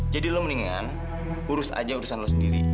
jadi lo mendingan urus aja urusan lo sendiri